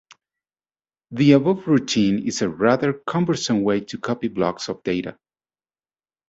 The above routine is a rather cumbersome way to copy blocks of data.